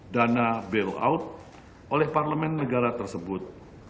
dana bailout oleh parlemen negara tersebut